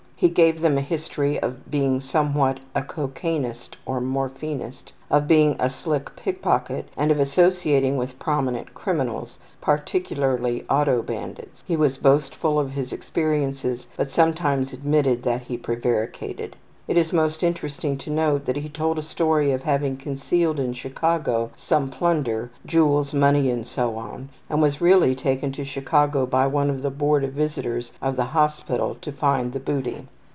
He gave them a history of being somewhat of a cocainist and morphinist, of being a slick ``pickpocket,'' and of associating with prominent criminals, particularly ``auto'' bandits. He was boastful of his experiences, but sometimes admitted that he prevaricated. It is most interesting to note that he told a story of having concealed in Chicago some plunder jewels, money, and so on and was really taken to Chicago by one of theBoard of Visitors of the hospital to find the booty.